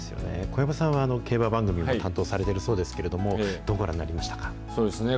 小籔さんは、競馬番組も担当されてるそうですけれども、どうご覧そうですね。